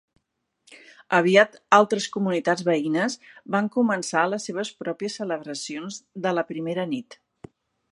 Aviat altres comunitats veïnes van començar les seves pròpies celebracions de la primera nit.